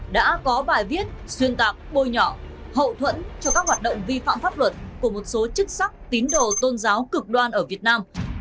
đã có bài viết xuyên tạc bôi nhỏ hậu thuẫn cho các hoạt động vi phạm pháp luật của một số chức sắc tín đồ tôn giáo cực đoan ở việt nam